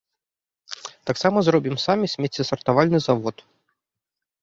Таксама зробім самі смеццесартавальны завод.